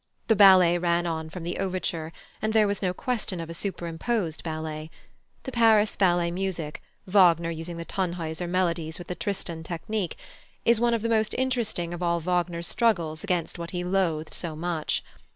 The ballet ran on from the overture, and there was no question of a superimposed ballet. The Paris ballet music, Wagner using the Tannhäuser melodies with the Tristan technique, is one of the most interesting of all Wagner's struggles against what he loathed so much.